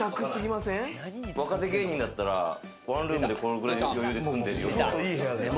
若手芸人だったら、ワンルームでこのくらい余裕ですんでるよ。